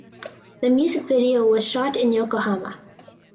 The music video was shot in Yokohama.